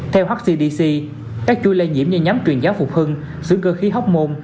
theo hcdc các chui lây nhiễm như nhóm truyền giáo phục hưng sư cơ khí hóc môn